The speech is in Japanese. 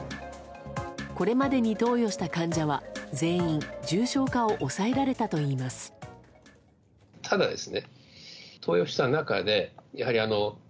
これまでに投与した患者は全員重症化を抑えられたといいます。